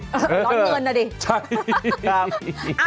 ร้อนเงินอะดิใช่